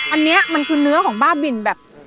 อันนี้มันคือเนื้อของบ้าบินแบบ